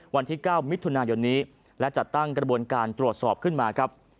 วันที่๙มิถุนายนนี้และจัดตั้งกระบวนการตรวจสอบขึ้นมาครับ